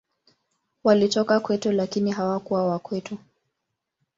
Walitoka kwetu, lakini hawakuwa wa kwetu.